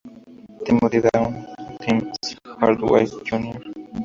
Timothy Duane "Tim" Hardaway, Jr.